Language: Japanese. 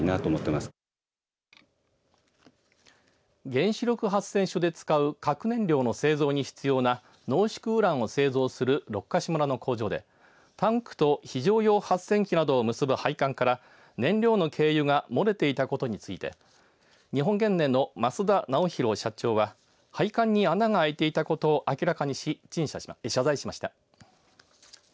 原子力発電所で使う核燃料の製造に必要な濃縮ウランを製造する六ヶ所村の工場でタンクと非常用発電機などを結ぶ配管から燃料の軽油が漏れていたことについて日本原燃の増田尚宏社長は配管に穴が空いていたことを明らかにし謝罪しました。